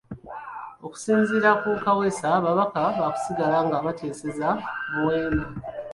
Okusinziira ku Kaweesa ababaka baakusigala nga bateeseza mu weema